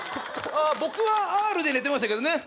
僕はｒで寝てましたけどね